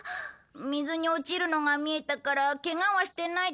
水に落ちるのが見えたからケガはしてないと思うよ。